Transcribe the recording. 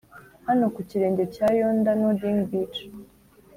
'hano ku kirenge cya yonder nodding beech